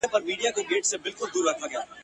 چي زمري د غوايي ولیدل ښکرونه ..